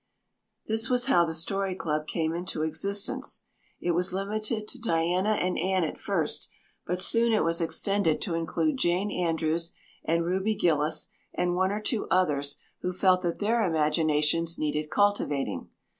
This was how the story club came into existence. It was limited to Diana and Anne at first, but soon it was extended to include Jane Andrews and Ruby Gillis and one or two others who felt that their imaginations needed cultivating.